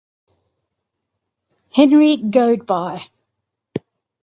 Henry Goadby.